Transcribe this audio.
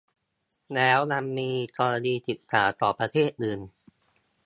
แล้วยังมีกรณีศึกษาของประเทศอื่น